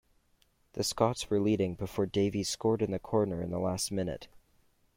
The Scots were leading before Davies scored in the corner in the last minute.